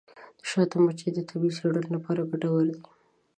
د شاتو مچۍ د طبي څیړنو لپاره ګټورې دي.